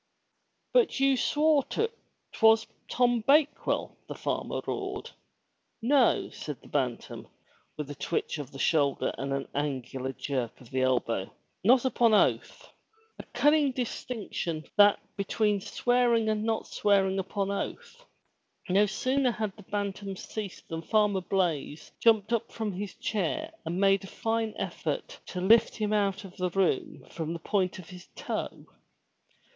"But you swore to*t, 'twas Tom Bakewell!'* the farmer roared. "No," said the Bantam, with a twitch of the shoulder and an angular jerk of the elbow. "Not upon oath!" A cunning, distinction, that between swearing and not swearing upon oath! No sooner had the Bantam ceased than Farmer Blaize jumped up from his chair and made a fine effort to lift him out of the room from the point of his toe.